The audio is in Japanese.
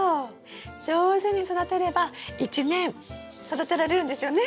上手に育てれば１年育てられるんですよね？